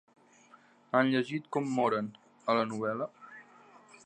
Han llegit com moren, a la novel·la?